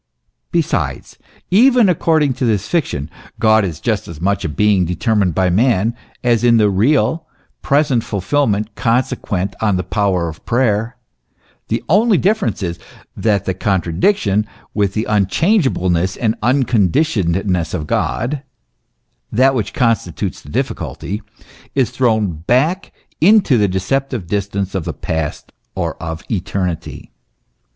Besides, even according to this fiction, God is just as much a being determined by man, as in the real, present fulfilment consequent on the power of prayer; the only difference is, that the contradiction with the unchange ableness and unconditionedness of God that which con stitutes the difficulty is thrown back into the deceptive distance of the past or of eternity.